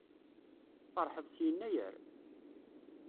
Tfeṛḥeḍ s Yennayer?